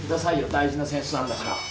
大事な扇子なんだから。